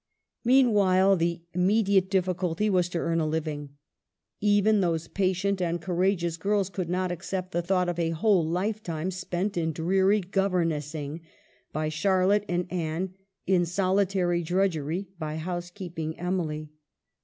Meanwhile the immediate difficulty was to earn a living. Even those patient and cour ageous girls could not accept the thought of a whole lifetime spent in dreary governessing by Charlotte and Anne, in solitary drudgery by homekeeping Emily.